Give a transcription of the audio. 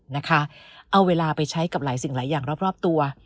นะคะเอาเวลาไปใช้กับหลายสิ่งหลายอย่างรอบตัว